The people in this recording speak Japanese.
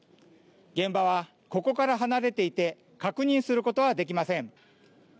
現場はここから離れていて確認することはできません。